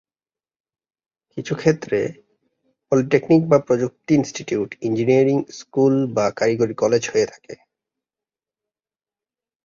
কিছু ক্ষেত্রে, পলিটেকনিক বা প্রযুক্তি ইনস্টিটিউট ইঞ্জিনিয়ারিং স্কুল বা কারিগরি কলেজ হয়ে থাকে।